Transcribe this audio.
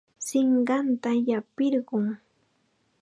Sinqanta llapirqun.